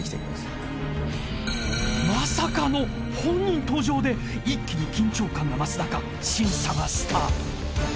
［まさかの本人登場で一気に緊張感が増す中審査がスタート］